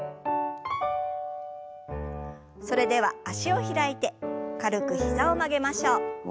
それでは足を開いて軽く膝を曲げましょう。